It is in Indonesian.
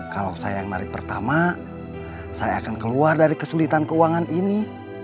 kalau saya yang menarik pertama saya akan keluar dari kesulitan keuangan ini